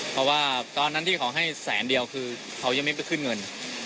เพราะว่าตอนนั้นที่เขาให้แสนเดียวคือเขายังไม่ไปขึ้นเงิน